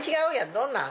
どんなん？